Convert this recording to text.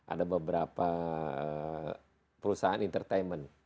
ada beberapa perusahaan entertainment